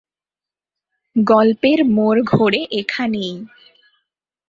গল্পের মোড় ঘোরে এখানেই।